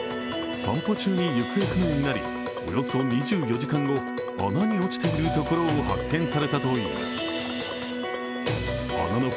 散歩中に行方不明になりおよそ２４時間後穴に落ちているところを発見されたといいます。